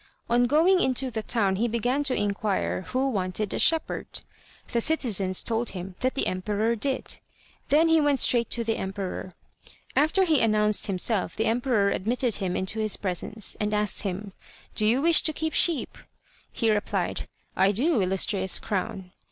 On going into the town he began to inquire who wanted a shepherd. The citizens told him that the emperor did. Then he went straight to the emperor. After he announced himself, the emperor admitted him into his presence, and asked him: "Do you wish to keep sheep?" He replied: "I do, illustrious crown!"